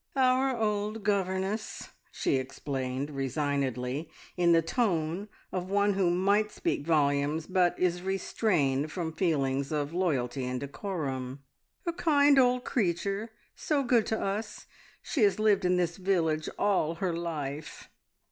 "Our old governess," she explained resignedly, in the tone of one who might speak volumes, but is restrained from feelings of loyalty and decorum. "A kind old creature, so good to us! She has lived in this village all her life."